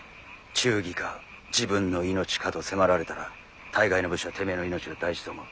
忠義か自分の命かと迫られたら大概の武士はてめえの命が大事と思う。